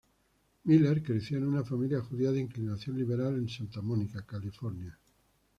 Miller creció en una familia judía de inclinación liberal en Santa Mónica, California.